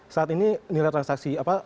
saat ini nilai transaksi apa